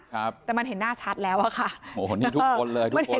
ครับแต่มันเห็นหน้าชัดแล้วอ่ะค่ะโอ้โหนี่ทุกคนเลยทุกคน